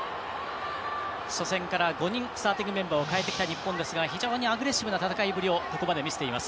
初戦から５人スターティングメンバーを入れ替えてきましたが非常にアグレッシブな戦いぶりをここまで見せています。